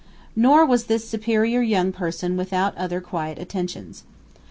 Nor was this superior young person without other quiet attentions.